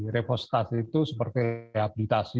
reforestasi itu seperti rehabilitasi